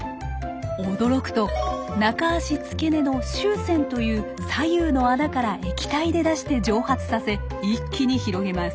驚くと中脚付け根の「臭腺」という左右の穴から液体で出して蒸発させ一気に広げます。